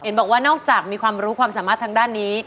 บอกว่านอกจากมีความรู้ความสามารถทางด้านนี้